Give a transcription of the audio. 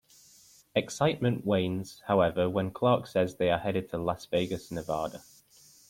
Excitement wanes, however, when Clark says they are headed to Las Vegas, Nevada.